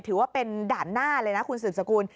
ถือว่าเป็นด่านหน้าเลยนะคุณสืบสกุล